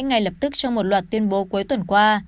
ngay lập tức trong một loạt tuyên bố cuối tuần qua